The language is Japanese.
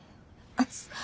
熱っ！